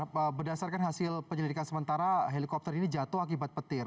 berdasarkan hasil penyelidikan sementara helikopter ini jatuh akibat petir